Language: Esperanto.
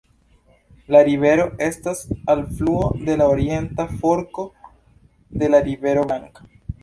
La rivero estas alfluo de la orienta forko de la Rivero Blanka.